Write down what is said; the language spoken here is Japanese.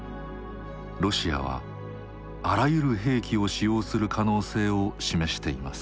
ロシアはあらゆる兵器を使用する可能性を示しています。